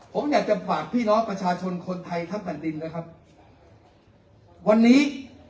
ผมอยากจะฝากพี่น้องประชาชนคนไทยทั้งแผ่นดินนะครับวันนี้